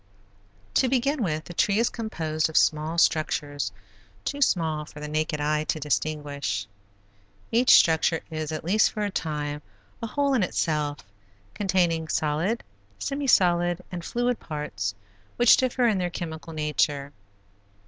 To begin with, the tree is composed of small structures, too small for the naked eye to distinguish. Each structure is, at least for a time, a whole in itself, containing solid, semi solid, and fluid parts which differ in their chemical nature.